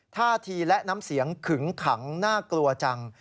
ท่าทีและน้ำเสียงขึงขังน่ากลัวจัง